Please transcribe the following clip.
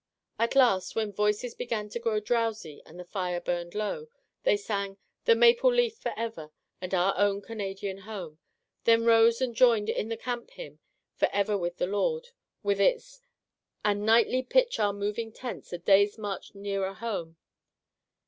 At last, when voices began to grow drowsy and the fire burned low, they sang, " The Maple Leaf For Ever " and " Our Own Canadian Home," then rose and joined in the camp hymn, — "For ever with the Lord," with its :" And nightly pitch our moving tents A day's march nearer home."